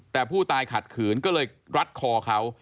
แต่ผู้ตายขัดขืนก็เลยรัดคอเขา